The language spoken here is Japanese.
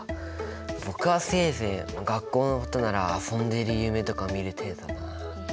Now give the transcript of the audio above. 僕はせいぜい学校のことなら遊んでいる夢とか見る程度だなあ。